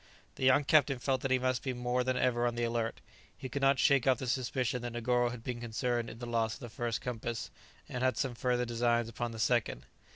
The young captain felt that he must be more than ever on the alert; he could not shake off the suspicion that Negoro had been concerned in the loss of the first compass, and had some further designs upon the second.